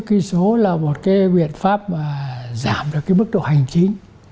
chữ ký số là một cái biện pháp giảm được cái mức độ hành chính